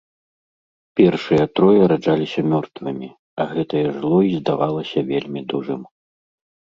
Першыя трое раджаліся мёртвымі, а гэтае жыло і здавалася вельмі дужым.